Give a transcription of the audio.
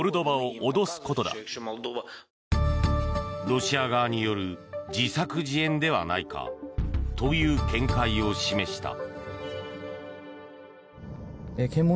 ロシア側による自作自演ではないかという見解を示した。